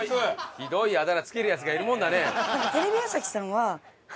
ひどいあだ名つけるヤツがいるもんだね。